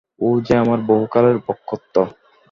ও যে আমার বহুকালের ব্রহ্মত্র।